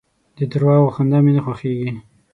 د درواغو خندا مي نه خوښېږي .